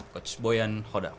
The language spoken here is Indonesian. coach boyan hodak